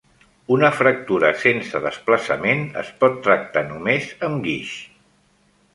Un fractura sense desplaçament es pot tractar només amb guix.